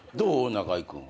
中居君は。